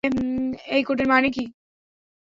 এই কোডের মানে কি?